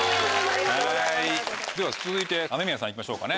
では続いて雨宮さん行きましょうかね。